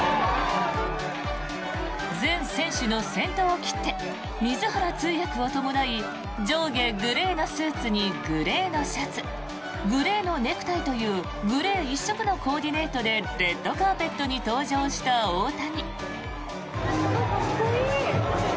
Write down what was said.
全選手の先頭を切って水原通訳を伴い上下グレーのスーツにグレーのシャツグレーのネクタイというグレー一色のコーディネートでレッドカーペットに登場した大谷。